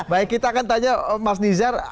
baik kita akan tanya mas nizar